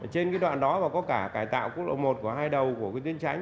trên cái đoạn đó mà có cả cải tạo quốc lộ một của hai đầu của cái tuyến tránh